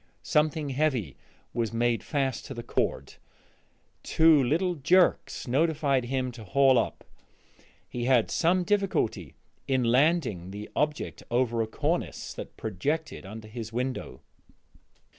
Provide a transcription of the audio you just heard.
Something heavy was made fast to the cord; two little jerks notified him to haul up. He had some difficulty in landing the object over a cornice that projected under his window.